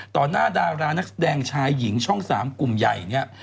ต่อหน้าดารานักแสดงชายหญิงช่องสามกลุ่มใหญ่